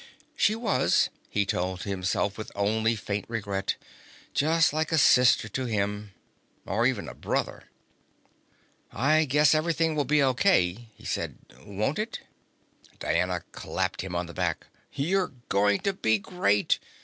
She was, he told himself with only faint regret, just like a sister to him. Or even a brother. "I guess everything will be okay," he said. "Won't it?" Diana clapped him on the back. "You're going to be great.